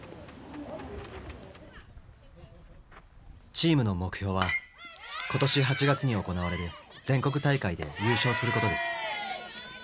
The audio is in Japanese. チームの目標は今年８月に行われる全国大会で優勝することです。